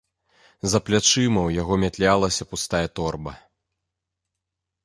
За плячыма ў яго матлялася пустая торба.